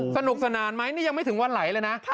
สนุกสนานไหมนี่ยังไม่ถึงวันไหลเลยนะ